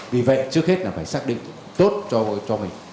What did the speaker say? vì vậy trước hết là phải xác định tốt cho mình